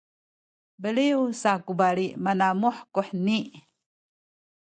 beliw sa ku bali manamuh kuheni